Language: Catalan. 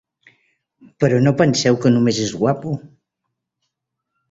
Però, no penseu que només és guapo!